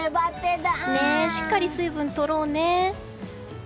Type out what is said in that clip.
しっかり水分、とろうね。